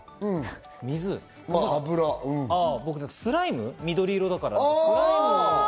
僕はスライム、緑色だから。